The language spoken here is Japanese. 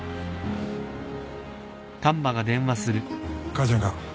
母ちゃんか？